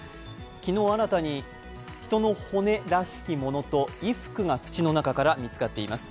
昨日新たに人の骨らしきものと衣服が土の中から見つかっています。